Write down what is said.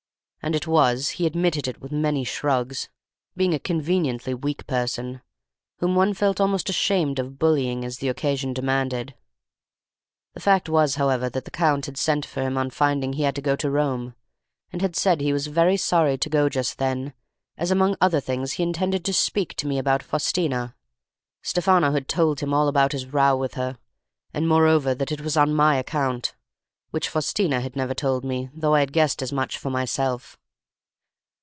And it was; he admitted it with many shrugs, being a conveniently weak person, whom one felt almost ashamed of bullying as the occasion demanded. "The fact was, however, that the Count had sent for him on finding he had to go to Rome, and had said he was very sorry to go just then, as among other things he intended to speak to me about Faustina. Stefano had told him all about his row with her, and moreover that it was on my account, which Faustina had never told me, though I had guessed as much for myself.